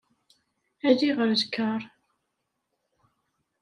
Ali ɣer lkar.